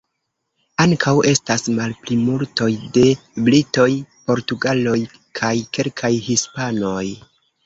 Ankaŭ estas malplimultoj de britoj, portugaloj kaj kelkaj hispanoj.